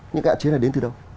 những hạn chế này đến từ đâu